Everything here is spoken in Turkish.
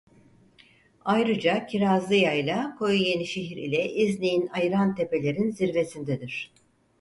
Ayrıca kirazlıyayla koyu yenişehir ile iznik'in ayıran tepelerin zirvesindedir.